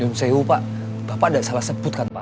yonseu pak bapak nggak salah sebutkan pak